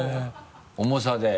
重さで。